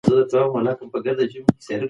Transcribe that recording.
د رواني اختلال درملنه باید منظم وي.